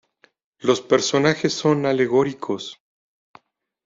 Los personajes son alegóricos.